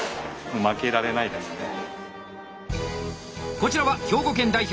こちらは兵庫県代表